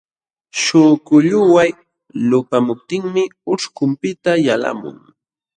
Śhukulluway lupamuptinmi ucćhkunpiqta yalqamun.